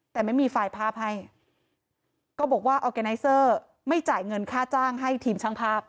แต่ไม่มีไฟล์ภาพให้ก็บอกว่าไม่จ่ายเงินค่าจ้างให้ทีมช่างภาพ